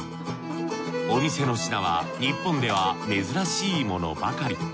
お店の品は日本では珍しいものばかり。